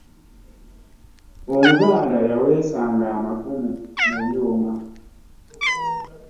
omuganda yawesanga amafumu mu byuuma